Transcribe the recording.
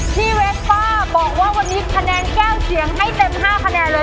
เวฟป้าบอกว่าวันนี้คะแนนแก้วเขียนให้เต็ม๕คะแนนเลย